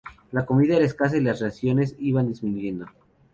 La comida era escasa y las raciones iban disminuyendo.